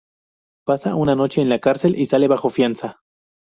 Pasa una noche en la cárcel y sale bajo fianza.